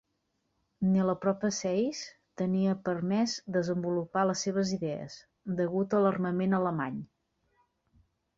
Ni la pròpia Zeiss tenia permès desenvolupar les seves idees, degut a l'armament alemany.